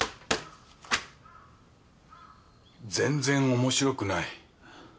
全然面白くない。